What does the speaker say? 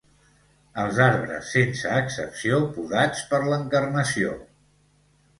Els arbres, sense excepció, podats per l'Encarnació.